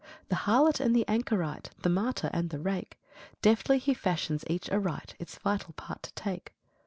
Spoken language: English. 3. The harlot and the anchorite, The martyr and the rake, Deftly He fashions each aright, Its vital part to take.